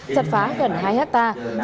chặt phá gần hai hectare